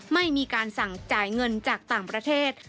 ไม่มีการสั่งจ่ายเงินจากต่างประเทศ